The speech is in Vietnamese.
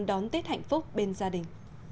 đón tết hạnh phúc bên gia đình